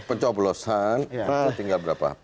pencoblosan itu tinggal berapa